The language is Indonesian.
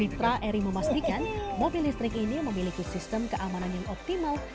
mitra eri memastikan mobil listrik ini memiliki sistem keamanan yang optimal